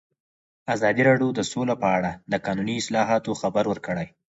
ازادي راډیو د سوله په اړه د قانوني اصلاحاتو خبر ورکړی.